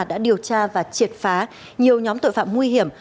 đã điều tra và triệt phá nhiều nhóm tội phạm nguy hiểm